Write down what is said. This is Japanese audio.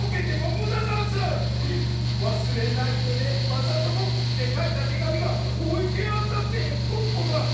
まさとも」ってかいたてがみがおいてあったってポッポが！